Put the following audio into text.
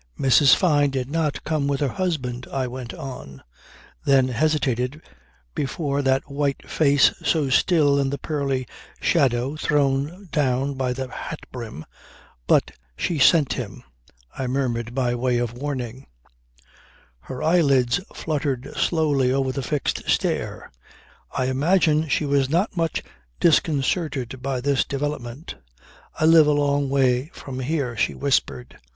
"Mrs. Fyne did not come with her husband," I went on, then hesitated before that white face so still in the pearly shadow thrown down by the hat brim. "But she sent him," I murmured by way of warning. Her eyelids fluttered slowly over the fixed stare. I imagine she was not much disconcerted by this development. "I live a long way from here," she whispered.